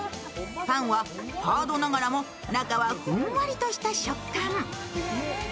パンはハードながらも中はふんわりとした食感。